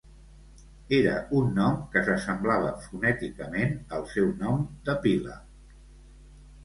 Era un nom que s'assemblava fonèticament al seu nom de pila.